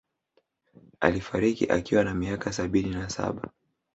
Alifariki akiwa na miaka sabini na saba